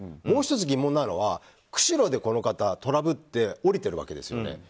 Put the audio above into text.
もう１つ疑問なのは釧路でこの方トラブって、降りてるわけですね。